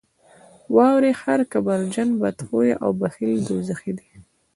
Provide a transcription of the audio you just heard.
واورئ هر کبرجن، بدخویه او بخیل دوزخي دي.